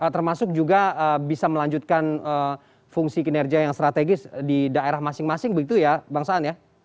termasuk juga bisa melanjutkan fungsi kinerja yang strategis di daerah masing masing begitu ya bang saan ya